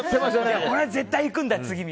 俺は絶対、次行くんだって。